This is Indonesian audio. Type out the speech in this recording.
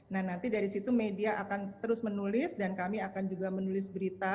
nah nanti dari situ media akan terus menulis dan kami akan juga menulis berita